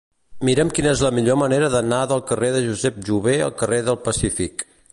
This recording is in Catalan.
Mira'm quina és la millor manera d'anar del carrer de Josep Jover al carrer del Pacífic.